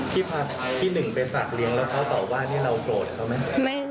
ที่พาพี่หนึ่งไปฝากเลี้ยงแล้วเขาต่อว่านี่เราโกรธเขาไหม